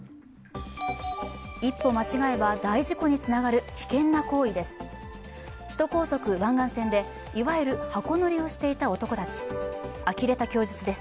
一歩間違えば大事故につながる危険な行為です。